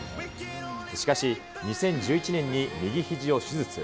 しかし、２０１１年に右ひじを手術。